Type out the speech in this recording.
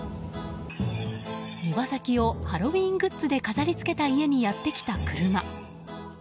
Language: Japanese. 庭先をハロウィーングッズで飾り付けた家にやってきた車。